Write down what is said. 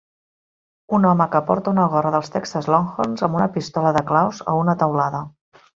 Un home que porta una gorra dels Texas Longhorns amb una pistola de claus a una teulada.